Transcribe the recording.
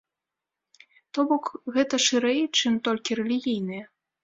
То бок, гэта шырэй, чым толькі рэлігійныя.